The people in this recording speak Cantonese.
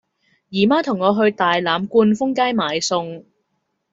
姨媽同我去大欖冠峰街買餸